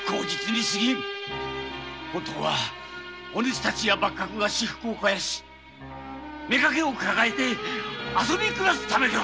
本当はお主たちや幕閣が私腹を肥やし妾を抱えて遊び暮らすためではないか！